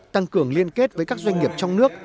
tăng cường liên kết với các doanh nghiệp trong nước